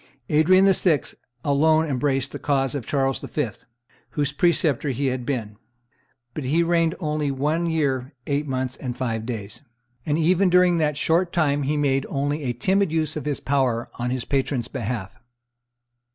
Adrian VI. alone embraced the cause of Charles V., whose preceptor he had been; but he reigned only one year, eight months, and five days; and even during that short time he made only a timid use of his power on his patron's behalf.